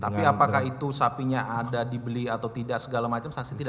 tapi apakah itu sapinya ada dibeli atau tidak segala macam sanksi tidak